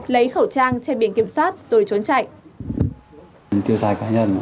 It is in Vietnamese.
lấy khẩu trang che biển kiểm soát rồi trốn chạy